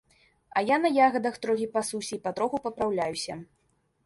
А я на ягадах трохі пасуся і патроху папраўляюся.